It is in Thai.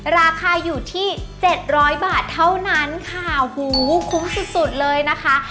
ราคาอยู่ที่๗๐๐บาทเท่านั้นค่ะคุ้มสุดเลยนะคะ